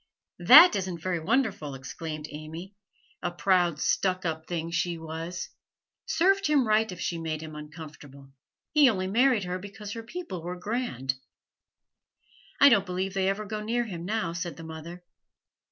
'That isn't very wonderful,' exclaimed Amy. 'A proud, stuck up thing, she was! Served him right if she made him uncomfortable; he only married her because her people were grand.' 'I don't believe they ever go near him now,' said the mother.